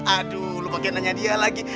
aduh lo bakal nanya dia lagi